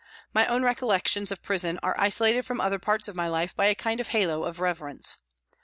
My own recollections of prison are isolated from other parts of my life by a kind of halo of reverence.